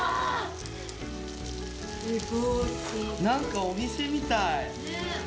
なんかお店みたい。